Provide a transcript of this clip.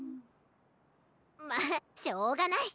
まっしょうがない。